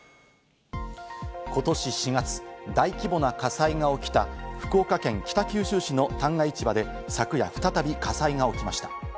今年４月、大規模な火災が起きた福岡県北九州市の旦過市場で昨夜、再び火災が起きました。